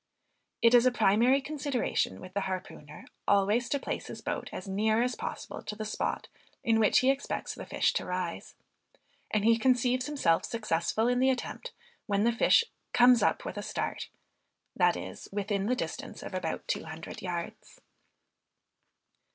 It is a primary consideration with the harpooner, always to place his boat as near as possible to the spot in which he expects the fish to rise, and he conceives himself successful in the attempt when the fish "comes up within a start," that is, within the distance of about two hundred yards.